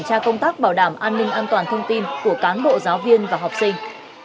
tra công tác bảo đảm an ninh an toàn thông tin của cán bộ giáo viên và học sinh